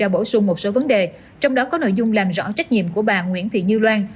bổ sung một số vấn đề trong đó có nội dung làm rõ trách nhiệm của bà nguyễn thị như loan